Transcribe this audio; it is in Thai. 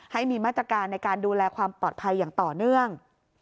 ให้มีมาตรการในการดูแลความปลอดภัยอย่างต่อเนื่อง